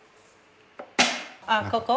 あっここ？